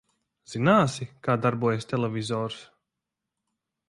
Zināsi, kā darbojas televizors?